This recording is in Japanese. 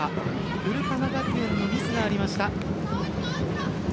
古川学園にミスがありました。